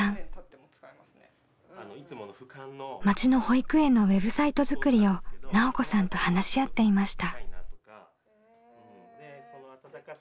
町の保育園のウェブサイト作りを奈緒子さんと話し合っていました。